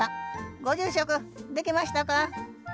ご住職できましたか？